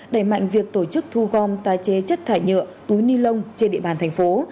đẩy mạnh việc tổ chức thu gom tái chế chất thải nhựa túi ni lông trên địa bàn thành phố